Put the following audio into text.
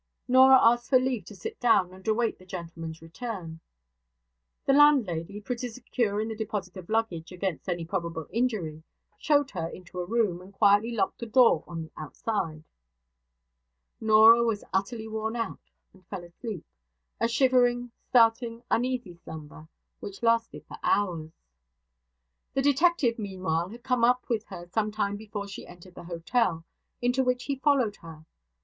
Norah asked for leave to sit down, and await the gentleman's return. The landlady pretty secure in the deposit of luggage against any probable injury showed her into a room, and quietly locked the door on the outside. Norah was utterly worn out, and fell asleep a shivering, starting, uneasy slumber, which lasted for hours. The detective, meanwhile, had come up with her some time before she entered the hotel, into which he followed her.